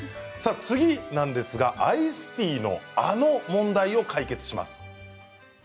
次なんですがアイスティーのあの問題を解決します。